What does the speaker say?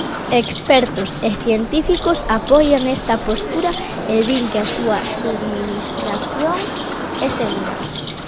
Expertos e científicos apoian esta postura e din que a súa subministración é segura.